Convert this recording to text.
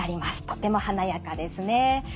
とても華やかですね。